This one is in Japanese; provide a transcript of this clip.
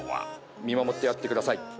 「見守ってやってください」